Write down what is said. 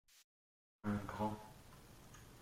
Un grand.